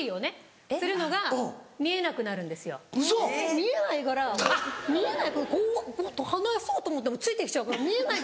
見えないからこう離そうと思ってもついて来ちゃうから見えない。